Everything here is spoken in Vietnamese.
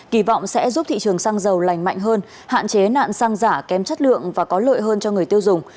kỳ vọng sẽ giúp thị trường xăng dầu lành mạnh hơn hạn chế nạn xăng giả kém chất lượng và có lợi hơn cho người tiêu dùng